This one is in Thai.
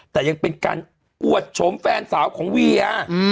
แต่ยังเป็นการอวดชมแฟนสาวของเวีย